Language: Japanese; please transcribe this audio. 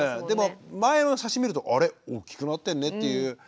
でも前の写真見ると「あれ大きくなってんね」っていう。